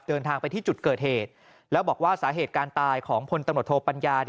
เดินทางไปที่จุดเกิดเหตุแล้วบอกว่าสาเหตุการตายของพลตำรวจโทปัญญา